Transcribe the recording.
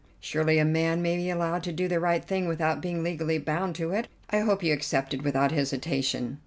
"Surely a man may be allowed to do the right thing without being legally bound to do it. I hope you accepted without hesitation."